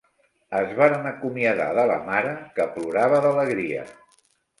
Es varen acomiadar de la mare, que plorava d'alegria